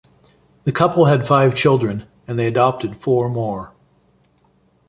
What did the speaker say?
The couple had five children, and adopted four more.